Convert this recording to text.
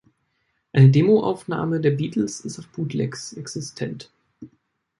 Eine Demo-Aufnahme der Beatles ist auf Bootlegs existent.